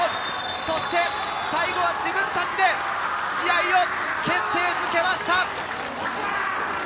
そして最後は自分たちで試合を決定づけました。